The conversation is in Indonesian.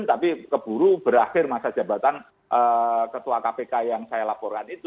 tapi keburu berakhir masa jabatan ketua kpk yang saya laporkan itu